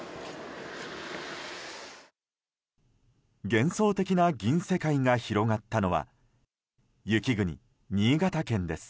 幻想的な銀世界が広がったのは雪国、新潟県です。